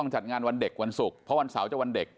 จัดงานวันเด็กวันศุกร์เพราะวันเสาร์จะวันเด็ก